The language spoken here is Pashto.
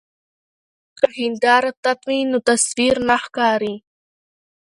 که هنداره تت وي نو تصویر نه ښکاري.